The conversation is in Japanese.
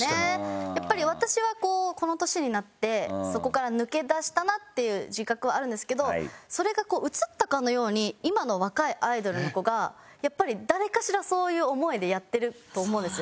やっぱり私はこうこの年になってそこから抜け出したなっていう自覚はあるんですけどそれがこう移ったかのように今の若いアイドルの子がやっぱり誰かしらそういう思いでやってると思うんですよ。